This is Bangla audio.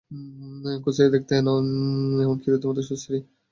কুশ্রী দেখতে নয়, এমন-কি, রীতিমত সুশ্রীই।